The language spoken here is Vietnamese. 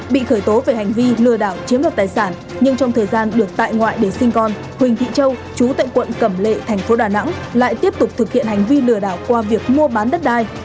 bị khởi tố về hành vi lừa đảo chiếm đoạt tài sản nhưng trong thời gian được tại ngoại để sinh con huỳnh thị châu chú tại quận cẩm lệ thành phố đà nẵng lại tiếp tục thực hiện hành vi lừa đảo qua việc mua bán đất đai